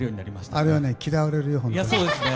あれはね、嫌われるよ。